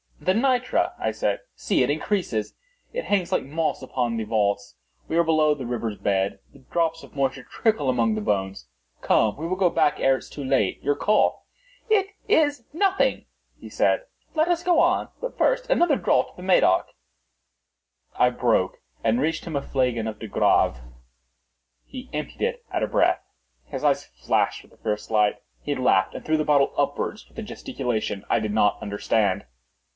"The nitre!" I said: "see, it increases. It hangs like moss upon the vaults. We are below the river's bed. The drops of moisture trickle among the bones. Come, we will go back ere it is too late. Your cough—" "It is nothing," he said; "let us go on. But first, another draught of the Medoc." I broke and reached him a flagon of De Grâve. He emptied it at a breath. His eyes flashed with a fierce light. He laughed and threw the bottle upwards with a gesticulation I did not understand.